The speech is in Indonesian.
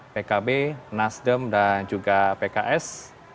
pkb nasdem dan juga pks